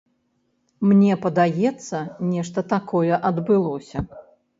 Мне падаецца, нешта такое адбылося.